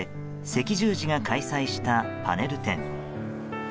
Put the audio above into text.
赤十字が開催したパネル展。